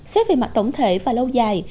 xét về mặt tổng thể và lâu dài